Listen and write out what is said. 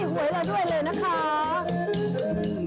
พร้อมรับแม่ฟ้าสวดน้องถวายได้องค์มหาเทศ